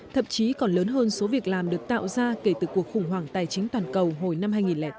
thậm chí còn lớn hơn số việc làm được tạo ra kể từ cuộc khủng hoảng tài chính toàn cầu hồi năm hai nghìn tám